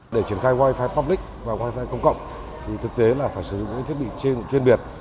để triển khai wi fi popic và wi fi công cộng thì thực tế là phải sử dụng những thiết bị trên chuyên biệt